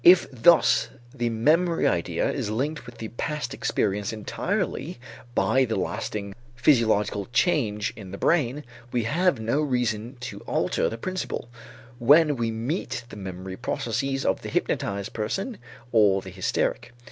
If thus the memory idea is linked with the past experience entirely by the lasting physiological change in the brain, we have no reason to alter the principle, when we meet the memory processes of the hypnotized person or the hysteric.